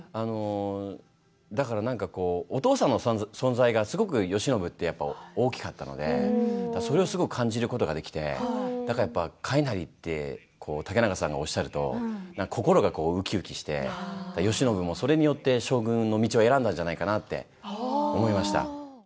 だから、お父さんの存在がすごく慶喜って大きかったのでそれをすごく感じることができてだからやっぱり「快なり！」って竹中さんがおっしゃると心がうきうきして慶喜も、それによって将軍の道を選んだんじゃないかなって思いました。